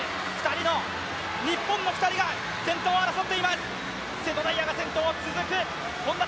日本の２人が先頭を争っています。